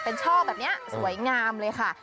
เป็นช่อแบบนี้สวยงามเลยค่ะ